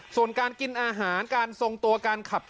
ส่วนการกินอาหารการทรงตัวการขับ